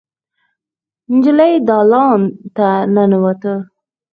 نجلۍ دالان ته ننوته.